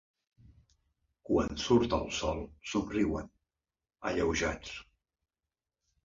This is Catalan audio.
Quan surt el sol somriuen, alleujats.